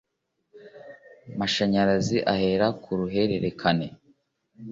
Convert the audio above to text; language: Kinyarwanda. mashanyarazi ahera ku ruhererekane